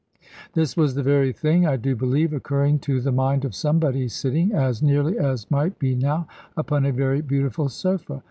This was the very thing I do believe occurring to the mind of somebody sitting, as nearly as might be now, upon a very beautiful sofa.